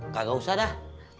kagak usah dah